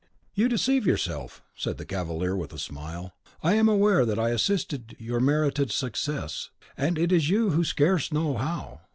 "You deceive yourself," said the cavalier, with a smile. "I am aware that I assisted to your merited success, and it is you who scarce know how.